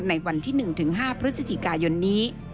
ในวันที่๑๕พยนี้